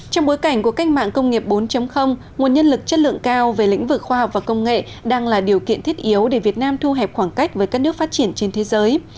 trong bối cảnh của cách mạng công nghiệp bốn nguồn nhân lực chất lượng cao về lĩnh vực khoa học và công nghệ đang là điều kiện thiết yếu để việt nam thu hẹp khoảng cách với các nước phát triển trên thế giới